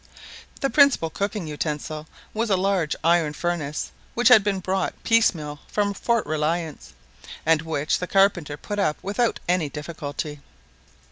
The principal cooking utensil was a large iron furnace, which had been brought piecemeal from Fort Reliance, and which the carpenter put up without any difficulty.